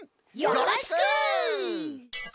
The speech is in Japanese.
よろしく！